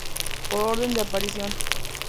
Por orden de aparición.